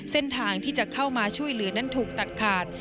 เส้นทางที่จะเข้ามาช่วยเหลือนั้นถูกตัดขาด